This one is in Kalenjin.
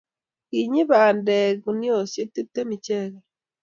kinyei bandek guniaisiek tiptem ichekei